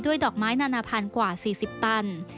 ด้วยดอกไม้นานาพันกว่า๔๐ตัน